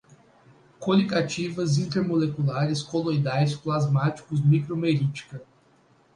coligativas, intermoleculares, coloidais, plasmáticos, micromerítica